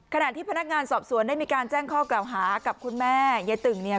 ขณะที่พนักงานสอบสวนได้มีการแจ้งข้อกล่าวหากับคุณแม่ยายตึงเนี่ย